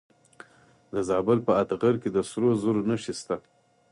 د زابل په اتغر کې د سرو زرو نښې شته.